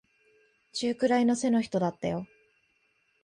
中くらいの背の人だったよ。